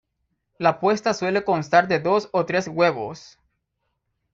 La puesta suele constar de dos o tres huevos.